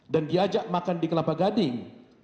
dan diajak makan di kelapa gading